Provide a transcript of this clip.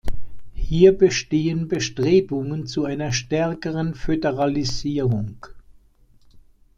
Hier bestehen Bestrebungen zu einer stärkeren Föderalisierung.